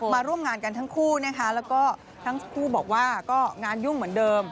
มาร่วมงานกันทั้งคู่นะคะแล้วก็ทั้งคู่บอกว่าก็งานยุ่งเหมือนเดิม